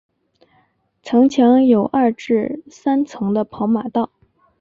城墙有二至三层的跑马道。